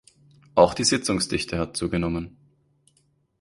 Auch die Sitzungsdichte hat zugenommen.